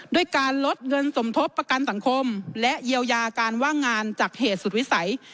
ด้วยการลดเงินสมทบประกันสังคมและเยียวยาการว่างงานจากเหตุสุดวิสัย